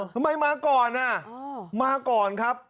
ทำไมมาก่อนอ่ะมาก่อนครับ